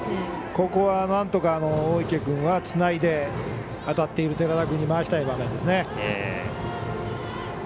ここは、なんとか大池君はつないで、当たっている寺田君に回したい場面ですね。